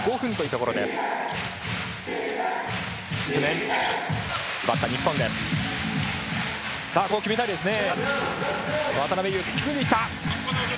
ここは決めたいですね。